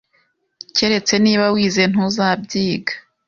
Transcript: Keretse niba wize, ntuzabyiga.